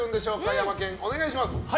ヤマケン、お願いします。